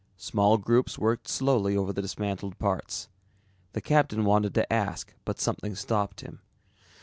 Small groups worked slowly over the dismantled parts. The captain wanted to ask but something stopped him.